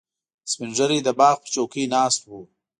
سپین ږیری د باغ پر چوکۍ ناست و.